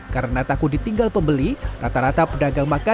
karena takut ditinggal pembeli rata rata pedagang makan